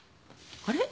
あれ？